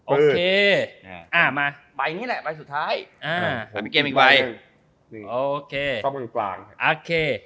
โอเคอ่ามาใบนี้แหละใบสุดท้ายอ่าอีกใบโอเคต้องมีอีกฝั่งโอเค